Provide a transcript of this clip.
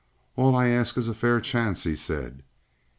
"All I ask is a fair chance," he said.